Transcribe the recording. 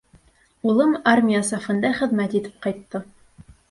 Улым армия сафында хеҙмәт итеп ҡайтты.